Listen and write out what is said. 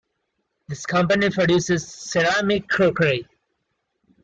This company produces ceramic crockery.